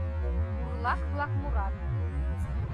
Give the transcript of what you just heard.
Бурлак-влак мурат: